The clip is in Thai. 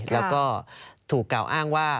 แล้วก็ถูกกล่าวอ้างว่า